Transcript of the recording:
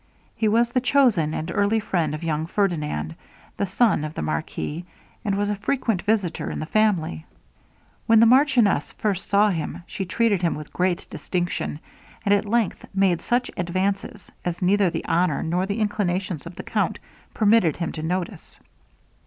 He was the chosen and early friend of young Ferdinand, the son of the marquis, and was a frequent visitor in the family. When the marchioness first saw him, she treated him with great distinction, and at length made such advances, as neither the honor nor the inclinations of the count permitted him to notice.